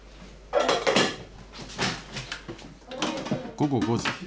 午後５時。